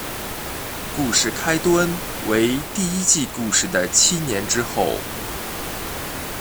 故事开端为第一季故事的七年之后。